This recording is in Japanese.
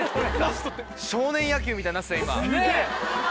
少年野球みたいになってたよ